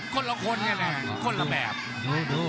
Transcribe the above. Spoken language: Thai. คนละคนนี่แหละคนละแบบ